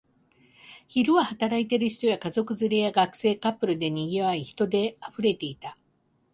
昼は働いている人や、家族連れや学生、カップルで賑わい、人で溢れていた